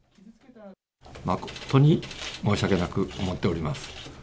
誠に申し訳なく思っております。